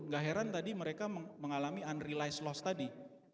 gak heran tadi mereka mengalami unrelized loss tadi